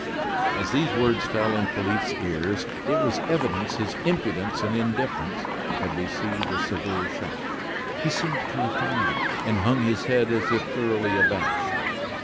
As these words fell on Polyte's ears, it was evident his impudence and indifference had received a severe shock. He seemed confounded, and hung his head as if thoroughly abashed.